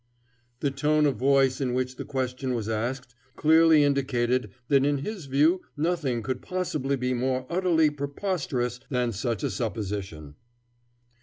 The tone of voice in which the question was asked clearly indicated that in his view nothing could possibly be more utterly preposterous than such a supposition.